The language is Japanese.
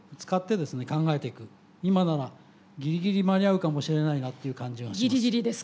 今ならギリギリ間に合うかもしれないなっていう感じがします。